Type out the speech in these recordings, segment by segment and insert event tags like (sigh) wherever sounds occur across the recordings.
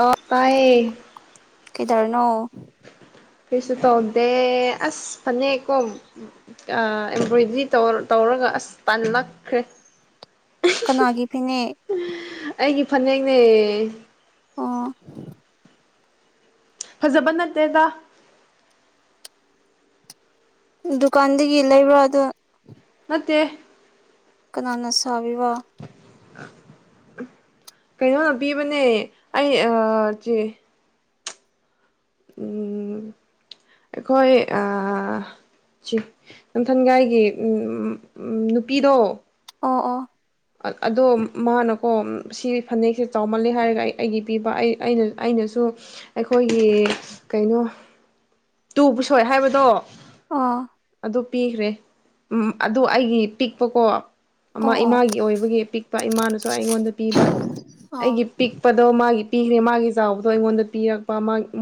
ꯑꯣ ꯇꯥꯏꯌꯦ ꯀꯩꯗꯧꯔꯤꯅꯣ ꯀꯩꯁꯨ ꯇꯧꯗꯦ ꯑꯁ ꯐꯅꯦꯛꯀꯣꯝ ꯑꯦꯝꯕꯔꯣꯏꯗ꯭ꯔꯤ ꯇꯧꯇꯧ ꯇꯧꯔꯒ ꯑꯁ ꯇꯥꯟꯂꯛꯈ꯭ꯔꯦ ꯀꯅꯥꯒꯤ ꯐꯤꯅꯦ ꯑꯩꯒꯤ ꯐꯅꯦꯛꯅꯦ ꯑꯣ ꯐꯖꯕ ꯅꯠꯇꯦꯗ ꯗꯨꯀꯥꯟꯗꯒꯤ ꯂꯩꯕ꯭ꯔꯥꯗ ꯇꯦ ꯀꯅꯥꯅ ꯁꯥꯕꯤ ꯋꯥ ꯀꯩꯅꯣ ꯄꯤꯕꯅꯦ ꯑꯩ ꯆꯦ ꯎꯝ ꯑꯩꯈꯣꯏ ꯑ ꯁꯤ ꯅꯝꯊꯟꯒꯥꯏꯒꯤ ꯅꯨꯄꯤꯗꯣ ꯑꯣ ꯑꯣ ꯑꯗꯣ ꯃꯥꯅꯀꯣ ꯁꯤ ꯐꯅꯦꯛꯁꯦ ꯆꯥꯎꯃꯜꯂꯦ ꯍꯥꯏꯔꯒ ꯑꯩ ꯑꯩꯒꯤ ꯄꯤꯕ ꯑꯩ ꯑꯩꯅ ꯑꯩꯅꯁꯨ ꯑꯩꯈꯣꯏꯒꯤ ꯀꯩꯅꯣ ꯇꯨ ꯄꯨꯁꯣꯏ ꯍꯥꯏꯕꯗꯣ ꯑꯣ ꯑꯗꯨ ꯄꯤꯈ꯭ꯔꯦ ꯎ ꯑꯗꯨ ꯑꯩꯒꯤ ꯄꯤꯛꯄꯀꯣ ꯑꯃ ꯑꯣ ꯑꯣ ꯏꯃꯒꯤ ꯑꯣꯏꯕꯒꯤ ꯑꯄꯤꯛꯄ ꯏꯃꯥꯅꯁꯨ ꯑꯩꯉꯣꯟꯗ ꯄꯤꯕ ꯑꯣ ꯑꯩꯒꯤ ꯄꯤꯛꯄꯗꯣ ꯃꯥꯒꯤ ꯄꯤꯈ꯭ꯔꯦ ꯃꯥꯒꯤ ꯆꯥꯎꯕꯗꯣ ꯑꯩꯉꯣꯟꯗ ꯄꯤꯔꯛꯄ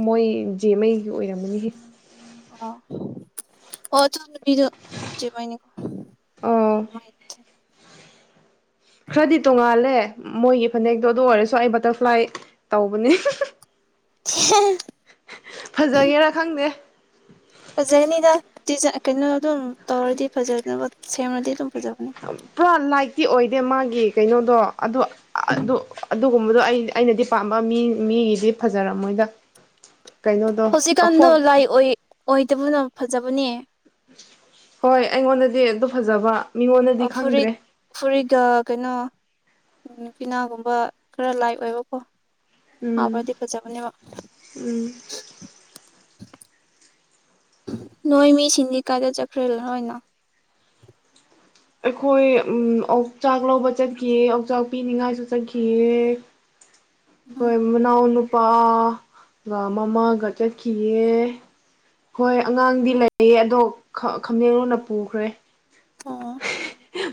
ꯃꯣꯏ ꯖꯦ ꯃꯩꯒꯤ ꯑꯣꯏꯔꯝꯃꯅꯤꯍꯦ ꯑ ꯑꯣ ꯆꯗꯦꯅꯤ ꯑꯣ (unintelligible) ꯈꯔꯗꯤ ꯇꯣꯡꯉꯥꯜꯂꯦ ꯃꯣꯏꯒꯤ ꯐꯅꯦꯛꯇꯣ ꯑꯗꯨ ꯑꯣꯏꯔꯁꯨ ꯑꯩ ꯕꯇꯔꯐ꯭ꯂꯥꯏ ꯇꯧꯕꯅꯤ ꯐꯖꯒꯦꯔꯥ ꯈꯪꯗꯦ ꯎꯝ ꯐꯖꯔꯅꯤꯗ (unintelligible) ꯀꯩꯅꯣ ꯑꯗꯨꯝ ꯇꯧꯔꯗꯤ ꯐꯖꯗꯅꯕ ꯁꯦꯝꯃꯗꯤ ꯑꯗꯨꯝ ꯐꯖꯕꯅꯦ ꯄꯨꯔꯥ ꯂꯥꯏꯠ ꯀꯤ ꯑꯣꯏꯗꯦ ꯃꯥꯒꯤ ꯀꯩꯅꯣꯗꯣ ꯑꯗꯨ ꯑꯗꯨ ꯑꯗꯨꯒꯨꯝꯕꯗꯣ ꯑꯩ ꯑꯩꯅꯗꯤ ꯄꯥꯝꯕ ꯃꯤ ꯃꯤꯒꯤꯗꯤ ꯐꯖꯔꯝꯃꯣꯏꯗ ꯀꯩꯅꯣꯗꯣ ꯍꯧꯖꯤꯛꯀꯥꯟꯗ ꯀꯐꯣꯛ ꯂꯥꯏ ꯑꯣꯏ ꯑꯣꯏꯗꯕꯅꯣ ꯐꯖꯕꯅꯦ ꯍꯣꯏ ꯑꯩꯉꯣꯟꯗꯗꯤ ꯑꯗꯨ ꯐꯖꯕ ꯑ ꯃꯤꯉꯣꯟꯗꯗꯤ ꯐꯨꯔꯤꯠ ꯈꯪꯗ꯭ꯔꯦ ꯐꯨꯔꯤꯠ ꯀꯩꯅꯣ ꯅꯨꯄꯤꯅꯥꯒꯨꯝꯕ ꯈꯔ ꯂꯥꯏ ꯑꯣꯏꯕꯀꯣ ꯎꯝ ꯑꯕꯗꯤ ꯐꯖꯕꯅꯦꯕ ꯎꯝ ꯅꯣꯏ ꯃꯤ ꯁꯤꯟꯗꯤ ꯀꯥꯗ ꯆꯠꯈ꯭ꯔꯦ ꯅꯣꯏꯅ ꯑꯩꯈꯣꯏ ꯑꯣꯆꯥꯛ ꯂꯧꯕ ꯆꯠꯈꯤꯑ ꯑꯣꯛꯆꯥꯛ ꯄꯤꯅꯤꯡꯉꯥꯏꯁꯨ ꯆꯠꯈꯤꯑꯦ ꯎꯝ ꯍꯣꯏ ꯃꯅꯥꯎ ꯅꯨꯄꯥꯒ ꯃꯃꯥꯒ ꯆꯠꯈꯤꯑꯦ ꯍꯣꯏ ꯑꯉꯥꯡꯗꯤ ꯂꯩꯌꯦ ꯑꯗꯣ ꯈꯥꯝꯃꯦꯦꯟꯣꯟꯅ ꯄꯨꯈ꯭ꯔꯦ ꯑꯣ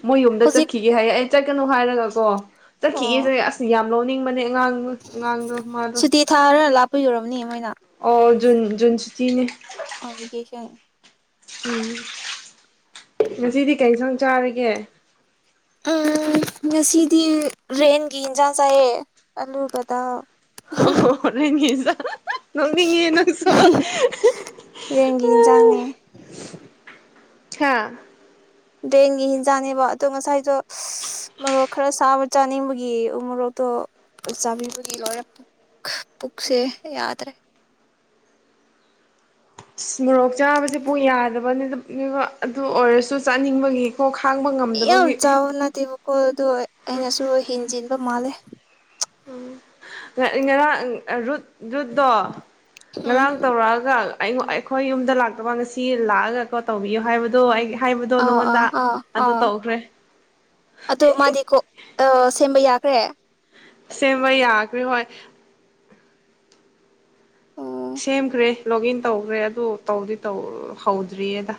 ꯃꯣꯏ ꯌꯨꯝꯗ ꯍꯧꯖꯤꯛ ꯆꯠꯈꯤꯒꯦ ꯍꯥꯏꯌꯦ ꯑꯩ ꯀꯩꯅꯣ ꯍꯥꯏꯔꯒ ꯀꯣ ꯑꯣ ꯆꯠꯈꯤꯑꯁꯦ ꯑꯁ ꯌꯥꯝ ꯂꯣꯅꯤꯡ ꯃ ꯉꯥꯡꯣ ꯉꯥꯡꯣ ꯃꯥꯗꯨ ꯀ ꯌꯧꯔꯕꯅꯦ ꯑꯣꯖꯟ ꯖꯟꯁꯤꯇꯤꯅꯦ ꯚꯦꯀꯦꯁꯟ ꯎꯝ ꯉꯁꯤꯗꯤ ꯀꯩ ꯁ ꯆꯥꯔꯒꯦ ꯎꯝ ꯉꯁꯤꯗꯤ ꯔꯦꯟꯒꯤ ꯏꯟꯁꯥꯡ ꯆꯥꯏꯌꯦ ꯑꯂꯨꯕꯗ ꯑꯣ ꯍ ꯍꯛ ꯅꯉꯉ ꯅꯁꯨꯣ ꯔꯦꯟꯒꯤ ꯎ ꯍꯤꯟꯖꯥꯡꯅꯦ ꯆ ꯕꯦꯟꯒꯤ ꯍꯤꯟꯖꯥꯡꯅꯦꯕ ꯑꯗꯣ ꯉꯁꯥꯏꯁꯨꯣ ꯃꯣꯔꯣꯛ ꯈꯔ ꯁꯥꯕ ꯆꯥꯅꯤꯡꯕꯒꯤ ꯃꯣꯔꯣꯛꯇꯣ ꯆꯥꯕꯤꯕꯒꯤ ꯂꯣꯏꯔꯦ ꯄꯨꯛꯁꯦ ꯌꯥꯗ꯭ꯔꯦ ꯃꯣꯔꯣꯛ ꯆꯥꯕꯁꯦ ꯄ ꯌꯥꯗꯕꯅꯤ ꯑꯗꯨ ꯑꯣꯏꯔꯁꯨ ꯆꯥꯅꯤꯡꯕꯒꯤꯀꯣ ꯈꯥꯡꯕ ꯌꯥꯝ ꯉꯝꯗꯕꯒꯤ ꯆꯥꯎꯕ ꯅꯠꯇꯦꯕꯀꯣ ꯑꯗꯣ ꯑꯩꯅꯁꯨ ꯍꯦꯟꯖꯤꯟꯕ ꯃꯥꯜꯂꯦ ꯎꯝ ꯉꯔꯥꯡ ꯔꯨꯠ ꯨꯠꯇꯣ ꯎꯝ ꯉꯔꯥꯡ ꯇꯧꯔꯛꯑꯒ ꯑꯩ ꯑꯩꯈꯣꯏ ꯌꯨꯝꯗ ꯂꯥꯛꯇꯕ ꯉꯁꯤ ꯂꯥꯛꯑꯒ ꯀꯣ ꯇꯧꯕꯤꯌꯣ ꯍꯥꯏꯕꯗꯣ ꯑꯩ ꯍꯥꯏꯕꯗꯣ ꯑꯥ ꯑꯥ ꯅꯉꯣꯟꯗ ꯑꯥ ꯑꯗꯨ ꯑꯥ ꯇꯧꯈ꯭ꯔꯦ ꯑꯗꯨ ꯃꯥꯗꯤ ꯀꯣ ꯑ ꯁꯦꯝꯕ ꯌꯥ ꯁꯦ ꯁꯦꯚꯏ ꯌꯥꯒꯕꯤ ꯍꯣꯏ ꯑꯣ ꯁꯦꯝꯈ꯭ꯔꯦ ꯂꯣꯣꯛ ꯏꯟ ꯇꯧꯈ꯭ꯔꯦ ꯑꯗꯨ ꯇꯧꯗꯤꯧ ꯍꯧꯗ꯭ꯔꯤꯌꯦꯗ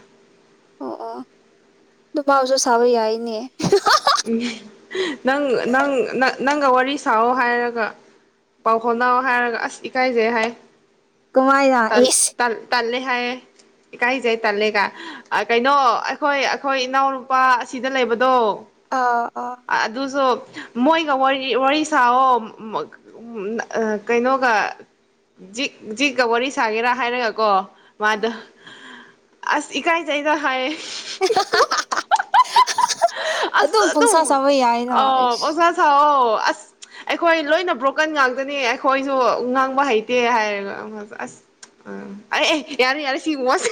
ꯑꯣ ꯑꯣ ꯑꯗꯨ ꯃꯥꯎꯁꯨ ꯁꯥꯕ ꯌꯥꯏꯅꯦ ꯎꯝ ꯅꯪ ꯅꯪ ꯅꯪꯒ ꯋꯥꯔꯤ ꯁꯥꯑꯣ ꯍꯥꯏꯔꯒ ꯄꯥꯎ ꯈꯥꯎꯅꯑꯣ ꯍꯥꯏꯔꯒ ꯑꯁ ꯏꯀꯥꯏꯖꯩ ꯍꯥꯏ ꯀꯃꯥꯏꯗ ꯑꯦꯁ ꯍꯥꯏ ꯏꯀꯥꯏꯖꯩ ꯇꯜꯂꯦꯒ ꯀꯩꯅꯣ ꯑꯩꯈꯣꯏ ꯑꯩꯈꯣꯏ ꯏꯅꯥꯎꯅꯨꯄꯥ ꯑꯁꯤꯗ ꯂꯩꯕꯗꯣ ꯑꯥ ꯑꯥ ꯑꯗꯨꯁꯨ ꯃꯣꯏꯒ ꯋꯥꯔꯤ ꯁꯥꯍꯣ ꯀꯩꯅꯣꯒ ꯖꯤꯛ ꯖꯤꯛꯀ ꯋꯥꯔꯤ ꯁꯥꯒꯦꯔꯥ ꯍꯥꯏꯔꯒꯀꯣ ꯃꯥꯗꯣ ꯑꯥ ꯑꯁ ꯏꯀꯥꯏꯖꯩꯗ ꯍꯥꯏꯌꯦ (inaudible) ꯑꯁ ꯑꯗꯨꯝ ꯄꯨꯡꯁꯥ ꯁꯥꯥꯕ ꯌꯥꯏꯅꯁ ꯑꯣ ꯑꯣꯖꯥ ꯁꯥꯑꯣ ꯑꯁ ꯑꯩꯈꯣꯏ ꯂꯣꯏꯅ ꯕ꯭ꯔꯣꯀꯟ ꯉꯥꯛꯇꯅꯤ ꯑꯩꯈꯣꯏꯁꯨ ꯉꯥꯡꯕ ꯍꯩꯇꯦ ꯍꯥꯏꯔꯒ ꯑꯁ ꯎꯥ ꯑꯦ ꯑꯦ ꯌꯥꯅꯤꯦ ꯌꯥꯔꯦ ꯁꯤꯒꯨꯝꯉꯣꯁꯦ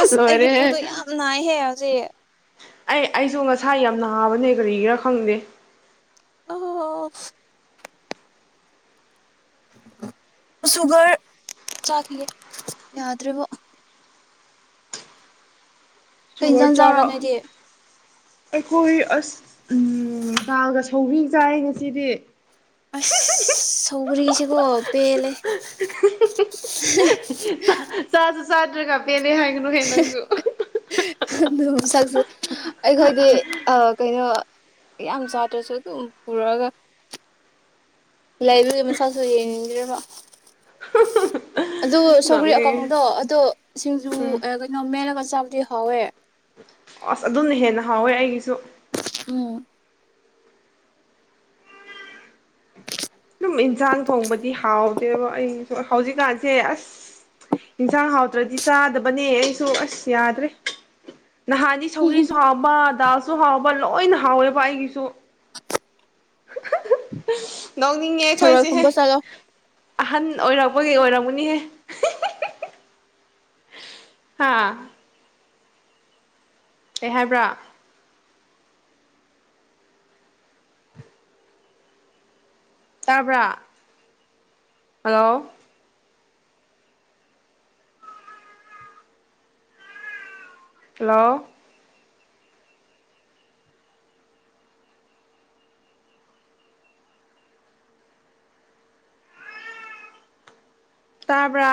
ꯑꯁ ꯑꯩꯒꯤ ꯂꯣꯏꯔꯦꯍꯦ ꯄꯨꯗꯣ ꯌꯥꯝ ꯅꯥꯏꯍꯦ ꯎꯆ ꯑꯩ ꯑꯩꯁꯨ ꯉꯁꯥꯏ ꯌꯥꯝ ꯅꯥꯕꯅꯦ ꯀꯔꯤꯒꯤꯔꯥ ꯈꯪꯗꯦ ꯑꯣ ꯁꯨꯒꯔ ꯆꯥꯈꯤꯒꯦ ꯌꯥꯗ꯭ꯔꯦꯕꯣ ꯁꯨꯒꯔ ꯀꯟꯖꯥꯡ ꯆ ꯆꯥꯎꯔ ꯆꯥꯔ ꯅꯣꯏꯗꯤ ꯑꯩꯈꯣꯏ ꯑꯁ ꯎ ꯄꯥꯒ ꯁꯧꯕꯤ ꯆꯥꯏ ꯉꯁꯤꯗꯤ ꯄꯨꯒꯤꯁꯤ ꯀꯣ ꯄꯦ ꯂꯩꯦ ꯁꯥꯇꯔꯒꯕꯦꯟ ꯍꯥꯏꯒꯅꯨ ꯍꯦ ꯅꯪꯁꯨ ꯁ ꯑꯩꯈꯣꯏꯗꯤ ꯀꯩꯅꯣ ꯌꯥꯝ ꯁꯥꯥꯗ꯭ꯔꯁꯨ ꯑꯗꯨꯝ ꯄꯨꯔꯛꯑꯒ ꯂꯩꯥꯏꯕꯤꯒꯤ ꯃꯁꯛꯁꯨ ꯌꯦꯡ꯭ꯔ ꯋꯥ ꯑꯗꯨ ꯁꯧꯒ꯭ꯔꯤ ꯅꯣꯛꯅꯤꯡꯉꯦ ꯑꯀꯪꯕꯗꯣ ꯑꯗꯨꯗꯣ ꯁꯤꯡꯖꯨ ꯎꯝ ꯀꯩꯅꯣ ꯃꯦꯜꯂꯒ ꯆꯥ ꯗꯤ ꯍꯋꯦ ꯑꯁ ꯑꯗꯨꯝꯅ ꯍꯦꯟꯅ ꯍꯥꯎꯋꯦ ꯑꯩꯒꯤꯁꯨ ꯎꯝ ꯁꯝ ꯏꯟꯁꯥꯡ ꯊꯣꯡꯕꯗꯤ ꯍꯥꯎꯗꯦꯕ ꯑꯩꯁꯨ ꯍꯧꯖꯤꯛꯀꯥꯟꯁꯦ ꯑꯁ ꯏꯟꯁꯥꯡ ꯍꯥꯎꯗ꯭ꯔꯗꯤ ꯆꯥꯗꯕꯅꯦ ꯑꯩꯁꯨ ꯑꯁ ꯌꯥꯗ꯭ꯔꯦ ꯅꯍꯥꯟꯗꯤ ꯁꯧꯒꯔꯤꯁꯨ ꯍꯥꯎꯕ ꯑꯗꯥꯜ ꯁꯨ ꯍꯥꯎꯕ ꯂꯣꯏꯅ ꯍꯥꯎꯋꯦꯕ ꯑꯩꯒꯤꯁꯨ ꯅꯣꯛꯅꯤꯡꯉꯦ ꯊꯔꯣꯏ ꯑꯩꯈꯣꯏꯁꯦ ꯈꯨꯝꯕ ꯆꯠꯂꯣ ꯑꯍꯟ ꯑꯣꯏꯔꯕ ꯃꯣꯏꯒꯤꯩ ꯑꯣꯏꯔꯝꯒꯨꯅꯤꯍꯦ ꯍꯥꯥ ꯀꯩ ꯍꯥꯏꯕ꯭ꯔꯥ ꯇꯥꯕ꯭ꯔꯥ ꯍꯜꯂꯣ ꯍꯜꯂꯣ ꯇꯥꯕ꯭ꯔ